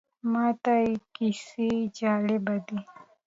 ماته یې کیسې جالبه دي.